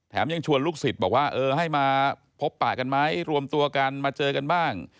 ยังชวนลูกศิษย์บอกว่าเออให้มาพบปะกันไหมรวมตัวกันมาเจอกันบ้าง